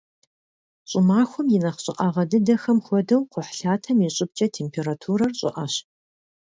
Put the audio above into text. ЩӀымахуэм и нэхъ щӀыӀэгъэ дыдэхэм хуэдэу кхъухьлъатэм и щӀыбкӀэ температурэр щӀыӀэщ.